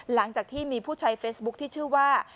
หลังจากที่มีผู้ใช้เฟซบุ๊คที่ชื่อว่า